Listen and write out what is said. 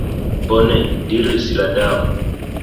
"Bone," diris la Damo.